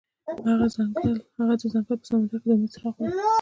هغه د ځنګل په سمندر کې د امید څراغ ولید.